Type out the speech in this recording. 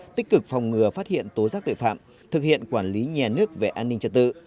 tích cực phòng ngừa phát hiện tố giác tội phạm thực hiện quản lý nhà nước về an ninh trật tự